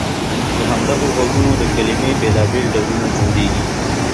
له همدغو غږونو د کلمې بېلابېل ډولونه جوړیږي.